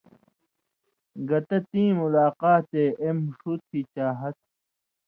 گتہ تِیں ملاقاتے اېم ݜُو تھی چاہت